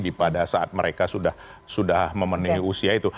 pada saat mereka sudah memenuhi usia itu